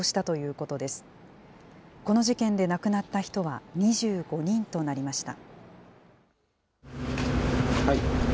この事件で亡くなった人は２５人となりました。